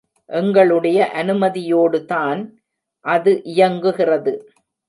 எங்களுடைய அனுமதியோடுதான் அது இயங்குகிறது.